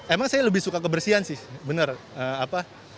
emang saya lebih suka kebersihan sih bener